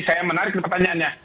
nah ini saya menarik pertanyaannya